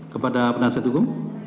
kepada penyiasat hukum